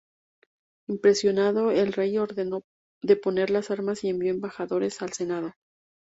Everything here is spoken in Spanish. Impresionado, el rey ordenó deponer las armas y envió embajadores al Senado.